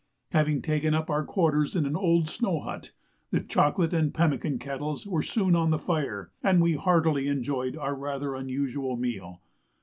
Having taken up our quarters in an old snow hut, the chocolate and pemmican kettles were soon on the fire, and we heartily enjoyed our rather unusual meal.